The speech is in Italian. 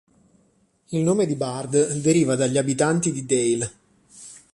Il nome di Bard deriva dagli abitanti di Dale.